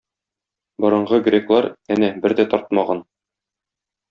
Борынгы греклар, әнә, бер дә тартмаган.